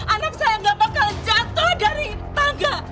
anak saya gak bakal jatuh dari tangga